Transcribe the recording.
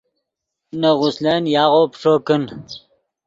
نے غسلن یاغو پیݯو کن